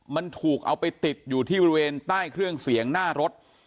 มันถูกเอาไปติดอยู่ที่บริเวณใต้เครื่องเสียงหน้ารถ